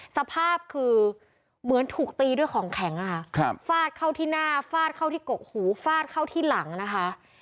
สภาพคือเหมือนถูกตีด้วยของแข็งฟาดเข้าที่หน้าฟาดเข้าที่กกหูฟาดเข้าที่หลังนะคะ